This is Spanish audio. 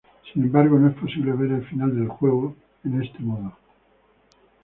Sin embargo, no es posible ver el final del juego en este modo.